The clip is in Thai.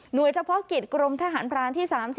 โดยเฉพาะกิจกรมทหารพรานที่๓๔